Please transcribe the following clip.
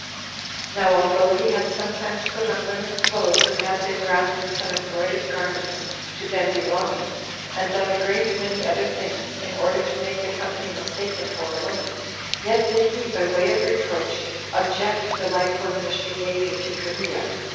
Now although he had sometimes put on women's clothes, and had been wrapt in some embroidered garments to them belonging, and done a great many other things, in order to make the company mistake him for a woman; yet did he, by way of reproach, object the like womanish behavior to Cherea.